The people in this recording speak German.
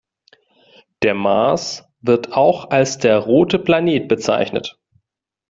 Der Mars wird auch als der „rote Planet“ bezeichnet.